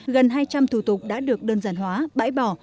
gần hai trăm linh thủ tục đã được đơn giản hóa bãi bỏ